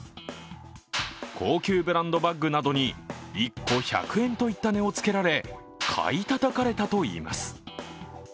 高級ブランドバッグなどに１個１００円といった値をつけられ、買いたたかれたといいます。